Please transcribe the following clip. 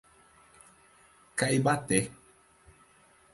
Caibaté